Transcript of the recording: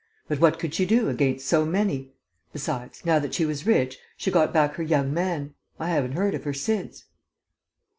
But what could she do against so many? Besides, now that she was rich, she got back her young man. I haven't heard of her since."